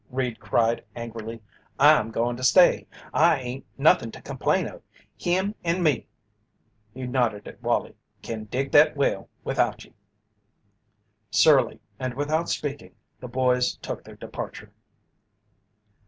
Reed cried, angrily, "I'm goin' to stay I ain't nothin' to complain of. Him and me," he nodded at Wallie, "can dig that well without ye." Surly, and without speaking, the boys took their departure.